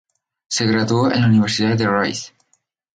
Se graduó de la Universidad de Rice.